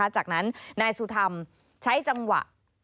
จากนั้นนายสุธรรมใช้จังหวะ